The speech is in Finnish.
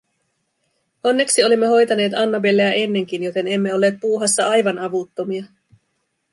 Onneksi olimme hoitaneet Annabelleä ennenkin, joten emme olleet puuhassa aivan avuttomia.